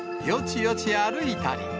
よちよち歩いたり。